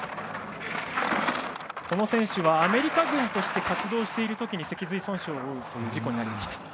この選手はアメリカ軍として活動しているときに脊髄損傷を負うという事故に遭いました。